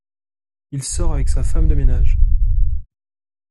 Il sort avec sa femme de ménage.